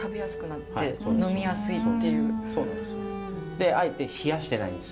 であえて冷やしてないんです。